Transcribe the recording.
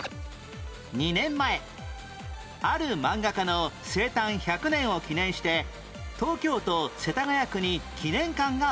２年前あるマンガ家の生誕１００年を記念して東京都世田谷区に記念館がオープン